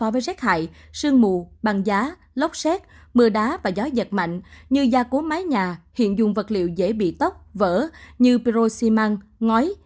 và gió giật mạnh như gia cố mái nhà hiện dùng vật liệu dễ bị tóc vỡ như pyroximan ngói